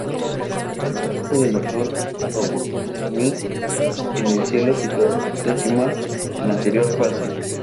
Fortaleza del Dr. Robotnik en el cielo, situada justo encima de la anterior fase.